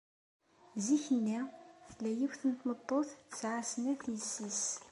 Zik-nni, tella yiwet n tmeṭṭut tesɛa snat yessi-s.